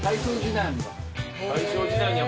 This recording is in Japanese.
大正時代には。